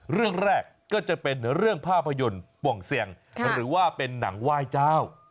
เรื่องแรกก็จะเป็นเรื่องภาพยนตร์ป่องเสี่ยงหรือว่าเป็นหนังไหว้เจ้า